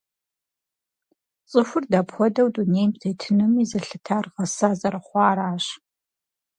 ЦӀыхур дапхуэдэу дунейм тетынуми зэлъытар гъэса зэрыхъуаращ.